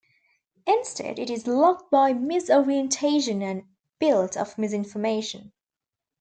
Instead, it is locked by misorientation and built of misinformation.